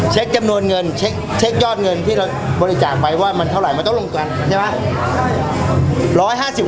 จำนวนเงินเช็คยอดเงินที่เราบริจาคไปว่ามันเท่าไหร่มันต้องลงกันใช่ไหม